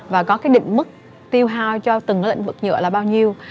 và có định mức tiêu hào cho từng lĩnh vực nhựa là bao nhiêu